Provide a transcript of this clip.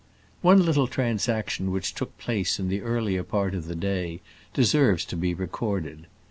One little transaction which took place in the earlier part of the day deserves to be recorded.